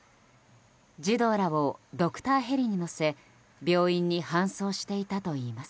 児童らをドクターヘリに乗せ病院に搬送していたといいます。